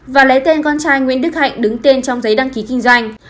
và lấy tên con trai nguyễn đức hạnh đứng tên trong giấy đăng ký kinh doanh